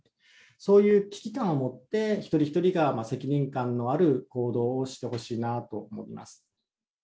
そういう危機感を持って、一人一人が責任感のある行動をしてほしいなと思います。